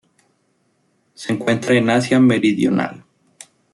Se encuentra en Asia meridional.